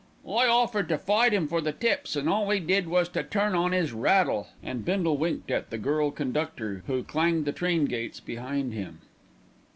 "I offered to fight 'im for the tips, an' all 'e did was to turn on 'is rattle;" and Bindle winked at the girl conductor, who clanged the train gates behind him.